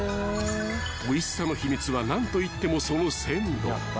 ［おいしさの秘密は何といってもその鮮度］